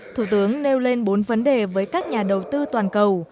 thủ tướng nêu lên bốn vấn đề với các nhà đầu tư toàn cầu